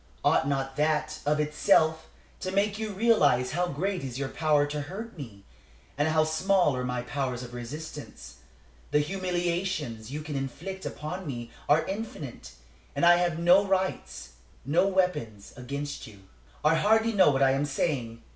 Ought not that, of itself, to make you realize how great is your power to hurt me, and how small are my powers of resistance? The humiliations you can inflict upon me are infinite, and I have no rights, no weapons, against you. "I hardly know what I am saying.